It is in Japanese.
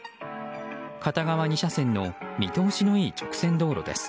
片側２車線の見通しのいい直線道路です。